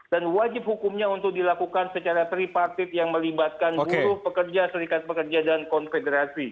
dan wajib hukumnya untuk dilakukan secara tripaktif yang melibatkan buruh pekerja serikat pekerja dan konfederasi